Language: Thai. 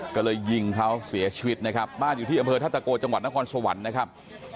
ก็เลยยิงเขาเสียชีวิตนะครับบ้านอยู่ที่อำเภอท่าตะโกจังหวัดนครสวรรค์นะครับ